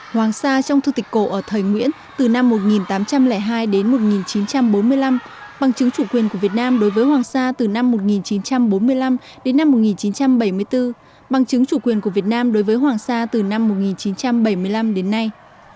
hoàng sa trong thư tịch cổ ở thời nguyễn từ năm một nghìn tám trăm linh hai đến một nghìn chín trăm bốn mươi năm bằng chứng chủ quyền của việt nam đối với hoàng sa từ năm một nghìn chín trăm bốn mươi năm đến năm một nghìn chín trăm bảy mươi bốn bằng chứng chủ quyền của việt nam đối với hoàng sa từ năm một nghìn chín trăm bảy mươi năm đến nay